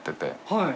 はい。